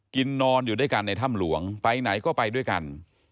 นอนอยู่ด้วยกันในถ้ำหลวงไปไหนก็ไปด้วยกัน